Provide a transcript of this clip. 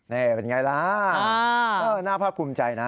แน่เป็นอย่างไรล่ะน่าภาพคุมใจนะ